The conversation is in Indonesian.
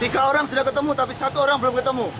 tiga orang sudah ketemu tapi satu orang belum ketemu